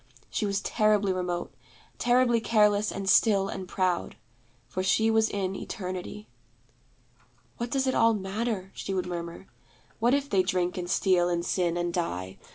She was terribly remote; terribly careless and still and proud; for she was in Eternity. 'What does it all matter?' she would murmur. 'What if they drink and steal and sin and die?